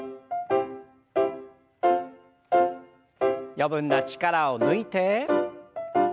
余分な力を抜いて。